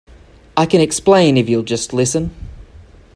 I can explain if you'll just listen.